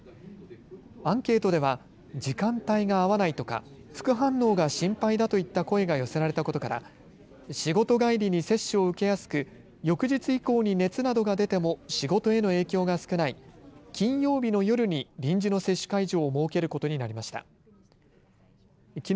アンケートでは時間帯が合わないとか副反応が心配だといった声が寄せられたことから仕事帰りに接種を受けやすく翌日以降に熱などが出ても仕事への影響が少ない金曜日の夜に臨時の接種会場を設けることになりました。